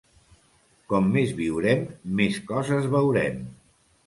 Com més viurem, més coses veurem.